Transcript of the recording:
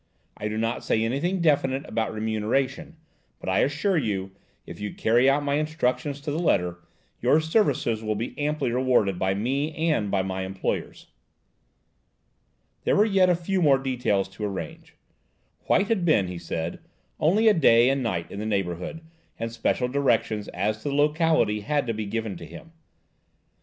I do not say anything definite about remuneration, but I assure you, if you carry out my instructions to the letter, your services will be amply rewarded by me and by my employers." There were yet a few more details to arrange. White had been, he said, only a day and night in the neighbourhood, and special directions as to the locality had to be given to him.